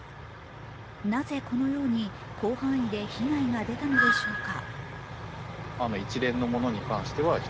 なぜこのように広範囲で被害が出たのでしょうか。